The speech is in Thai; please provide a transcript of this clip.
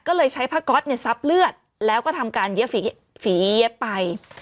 ก็เลยใช้ผ้าก๊อตซับเลือดแล้วก็ทำการเย็บฝีเย็บไป